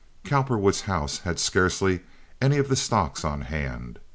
Cowperwood's house had scarcely any of the stocks on hand.